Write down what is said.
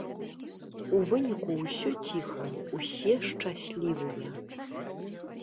У выніку ўсё ціха, усе шчаслівыя.